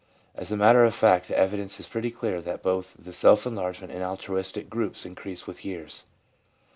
As a matter of fact, the evidence is pretty clear that both the self enlargement and altruistic groups increase with years.